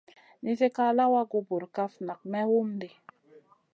Nisi ká lawagu burkaf nak may hum ɗi.